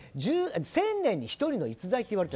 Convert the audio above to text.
１０００年に１人の逸材って言われてた。